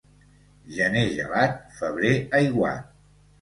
Gener gelat, febrer aiguat.